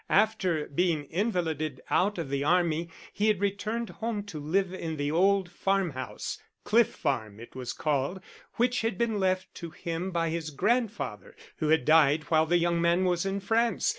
After being invalided out of the Army he had returned home to live in the old farm house Cliff Farm it was called which had been left to him by his grandfather, who had died while the young man was in France.